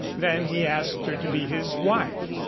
Then he asked her to be his wife.